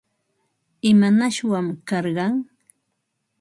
¿Imanashwan karqan?